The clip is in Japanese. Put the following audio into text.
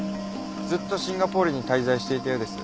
ずっとシンガポールに滞在していたようです。